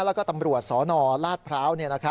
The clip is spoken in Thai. แล้วก็ตำรวจสนราชพร้าว